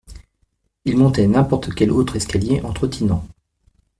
Il montait n’importe quel autre escalier en trottinant